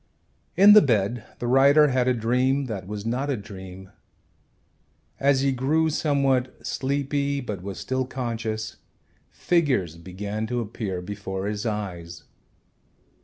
In the bed the writer had a dream that was not a dream. As he grew somewhat sleepy but was still conscious, figures began to appear before his eyes.